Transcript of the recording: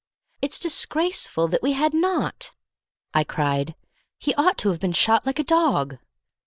"It's disgraceful that we had not," cried I. "He ought to have been shot like a dog."